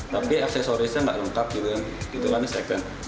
tapi aksesorisnya tidak lengkap gitu kan itu hanya second